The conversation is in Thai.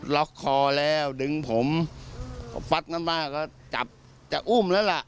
ล็อกคอแล้วดึงผมฟัดกันมาก็จับจะอุ้มแล้วล่ะ